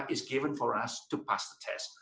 diberikan untuk kita untuk melakukan tes